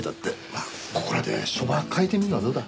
まあここらでショバ変えてみるのはどうだ？